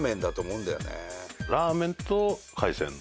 ラーメンと海鮮丼。